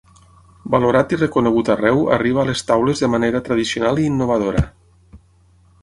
Valorat i reconegut arreu arriba a les taules de manera tradicional i innovadora.